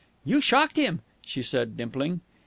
"You shocked him!" she said dimpling.